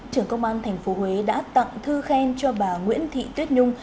trưởng công an tp huế đã tặng thư khen cho bà nguyễn thị tuyết nhung